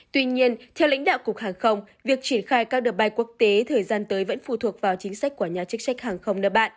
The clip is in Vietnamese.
tuy nhiên theo lãnh đạo cục hàng không việc triển khai các đợt bay quốc tế thời gian tới vẫn phụ thuộc vào chính sách của nhà chức trách hàng không nước bạn